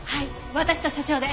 私と所長で。